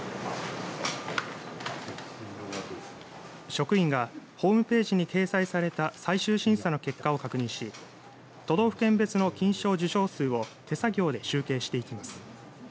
職員がホームページに掲載された最終審査の結果を確認し都道府県別の金賞受賞数を手作業で集計していきます。